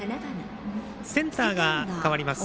センターが代わります。